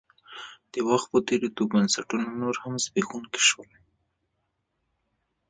د وخت په تېرېدو بنسټونه نور هم زبېښونکي شول.